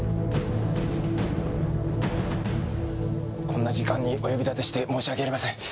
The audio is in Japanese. こんな時間にお呼び立てして申し訳ありません。